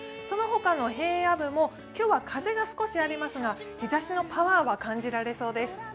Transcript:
そのほかの平野部も今日は少し風がありますが、日ざしのパワーは感じられそうです。